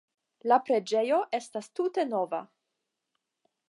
La preĝejo estas tute nova.